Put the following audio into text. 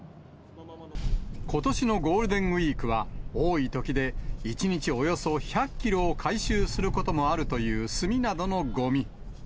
ことしのゴールデンウィークは、多いときで１日およそ１００キロを回収することもあるという炭などのごみ。